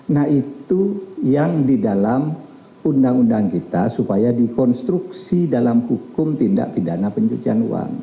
nah itu yang di dalam undang undang kita supaya dikonstruksi dalam hukum tindak pidana pencucian uang